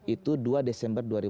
itu dua desember dua ribu enam belas